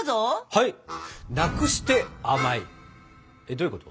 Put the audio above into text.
どういうこと？